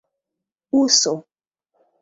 uso